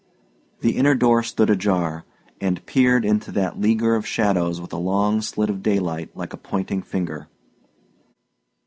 The inner door stood ajar, and peered into that leaguer of shadows with a long slit of daylight like a pointing finger.